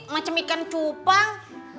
macam ikan cupang